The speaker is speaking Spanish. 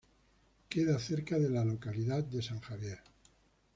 Queda cerca de la localidad de San Javier.